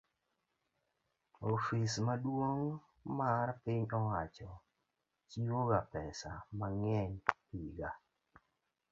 Ofis maduong' mar piny owacho chiwoga pesa mang'eny higa